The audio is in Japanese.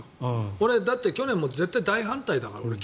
俺、だって去年も絶対、大反対だから。